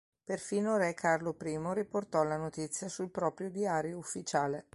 Perfino Re Carlo I riportò la notizia sul proprio diario ufficiale.